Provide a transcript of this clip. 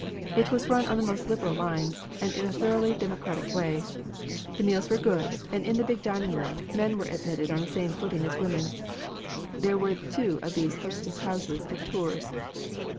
It was run on the most liberal lines, in a thoroughly democratic way. The meals were good and in the big dining room men were admitted on the same footing as women. There were two of these Hostess Houses at Tours.